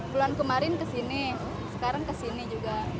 bulan kemarin kesini sekarang kesini juga